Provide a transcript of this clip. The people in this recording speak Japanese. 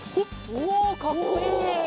おかっこいい！